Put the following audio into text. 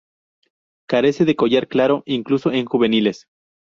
Carece de collar claro, incluso en juveniles.